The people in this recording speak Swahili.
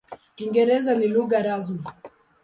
Kiingereza ni lugha rasmi.